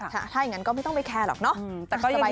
ถ้าอย่างงั้นก็ไม่ต้องไปแคลร์หรอกนะสบายใจได้